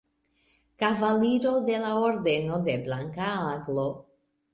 Kavaliro de la Ordeno de Blanka Aglo.